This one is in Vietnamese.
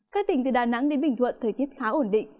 các tỉnh từ đà nẵng đến bình thuận thời tiết khá ổn định